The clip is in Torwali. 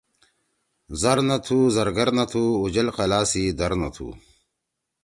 زر نہ تُھو زرگر نہ تُھو۔ اُوجل قلاسی در نہ تُھو۔